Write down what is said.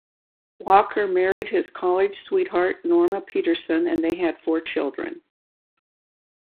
Walker married his college sweetheart, Norma Peterson, and they had four children.